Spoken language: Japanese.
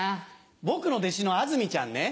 僕の弟子のあずみちゃんね